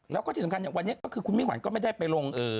แล้วก็ที่สำคัญวันนี้ก็คือคุณมิ่งขวัญก็ไม่ได้ไปลง